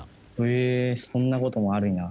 へえそんなこともあるんや。